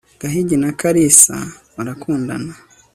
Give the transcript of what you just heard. gahigi na kalisa barakundana